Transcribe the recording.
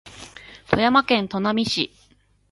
富山県砺波市